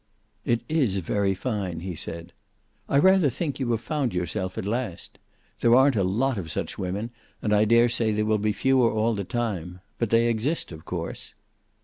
"It is very fine," he said. "I rather think you have found yourself at last. There aren't a lot of such women and I daresay they will be fewer all the time. But they exist, of course."